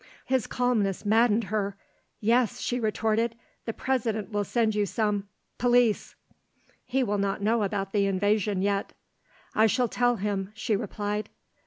His calmness maddened her. "Yes," she retorted; "the President will send you some, police." "He will not know about the invasion yet." "I shall tell him," she replied.